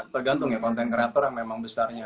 tergantung ya konten kreator yang memang besarnya